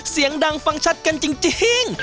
เสียงดังฟังชัดกันจริง